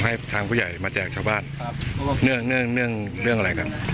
ให้ทางผู้ใหญ่มาแจกชาวบ้านครับเนื่องเนื่องเรื่องอะไรกัน